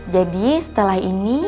jadi setelah ini